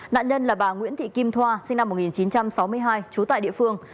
nạn nhân là bà nguyễn thị kim thoa sinh năm một nghìn chín trăm sáu mươi hai trú tại địa phương